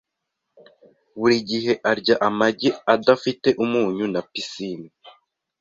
Buri gihe arya amagi adafite umunyu na pisine .